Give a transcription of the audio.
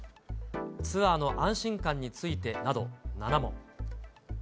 ツアーの安心感についてなど７問。